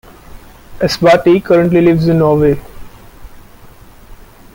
Esbati currently lives in Norway.